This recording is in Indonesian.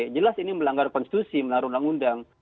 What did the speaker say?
jelas ini melanggar konstitusi melanggar undang undang